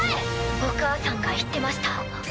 お母さんが言ってました。